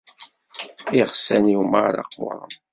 Iɣsan-iw merra qquren.